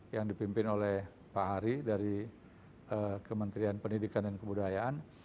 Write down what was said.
yang dipimpin oleh pak hari dari kementerian pendidikan dan kebudayaan